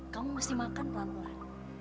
kamu mesti makan pelan pelan